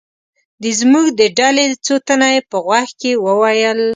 د زموږ د ډلې څو تنه یې په غوږ کې و ویل.